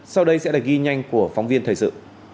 sau đây sẽ là ghi nhanh của phóng viên thời sự